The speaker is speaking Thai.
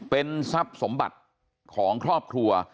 เป็นทรัพย์สมบัติของครอบครัว